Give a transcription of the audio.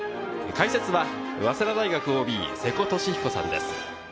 解説は早稲田大学ＯＢ・瀬古利彦さんです。